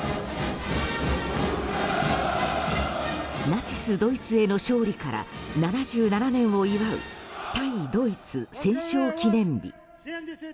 ナチスドイツへの勝利から７７年を祝う対ドイツ戦勝記念日。